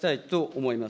思います。